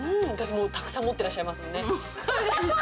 たくさん持ってらっしゃいますもんね。